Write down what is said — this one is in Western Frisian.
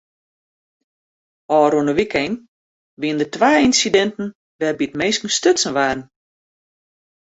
Ofrûne wykein wiene der twa ynsidinten wêrby't minsken stutsen waarden.